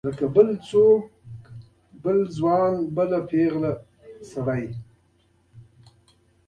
لکه بل څوک بل ځوان بله پیغله بل سړی.